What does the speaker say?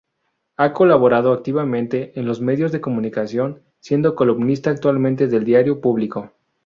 Ha colaborado activamente en los medios de comunicación, siendo columnista actualmente del diario Público.